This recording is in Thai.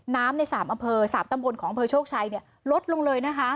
น้ำในสามอำเพอสามตำบลของอำเพอโชคชัยลดลงเลยนะคะ